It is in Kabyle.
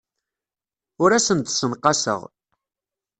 Ur asen-d-ssenqaseɣ.